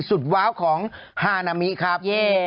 ว้าวของฮานามิครับ